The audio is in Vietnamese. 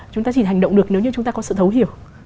chúng ta chỉ hành động được nếu như chúng ta có sự thấu hiểu